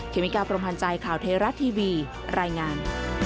เมกาพรมพันธ์ใจข่าวเทราะทีวีรายงาน